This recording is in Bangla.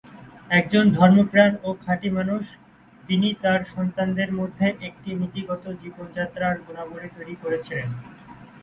একজন ধর্মপ্রাণ ও খাঁটি মানুষ, তিনি তাঁর সন্তানদের মধ্যে একটি নীতিগত জীবনযাত্রার গুণাবলি তৈরি করেছিলেন।